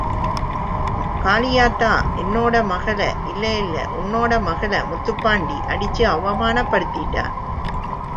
காளியாத்தா... என்னோட மகள இல்லல்ல... ஒன்னோட மகள முத்துப்பாண்டி அடிச்சு அவமானப்படுத்திட்டான்.